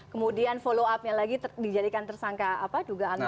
kemudian follow up nya lagi dijadikan tersangka juga anarkar